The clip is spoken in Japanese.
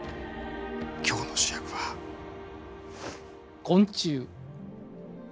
今日の主役は昆虫。